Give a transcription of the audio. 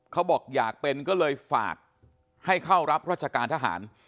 เขาบอกอยากเป็นก็เลยฝากให้เข้ารับราชการทหาร